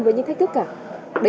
với những thách thức cả